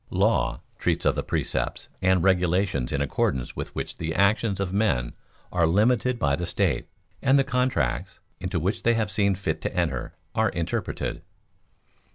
Law treats of the precepts and regulations in accordance with which the actions of men are limited by the state, and the contracts into which they have seen fit to enter are interpreted.